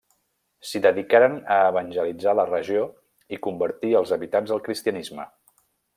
S'hi dedicaren a evangelitzar la regió i convertir els habitants al cristianisme.